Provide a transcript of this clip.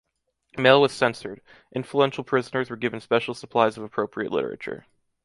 Mail was censored; influential prisoners were given special supplies of appropriate literature.